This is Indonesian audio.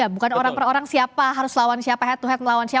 bukan orang per orang siapa harus lawan siapa head to head melawan siapa